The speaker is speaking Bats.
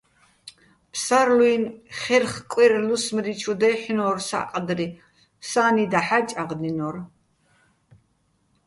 ფსარლუ́ჲნი̆ ხერხ-კვერ-ლუსმრი ჩუ დაჲჰ̦ნო́რ სა́ყდრი, სა́ნი დაჰ̦ა́ ჭაღდინო́რ.